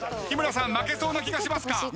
日村さん負けそうな気がしますか？